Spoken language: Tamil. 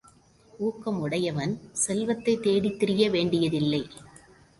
ஊக்கமுடையவன் செல்வத்தைத் தேடித்திரிய வேண்டியதில்லை.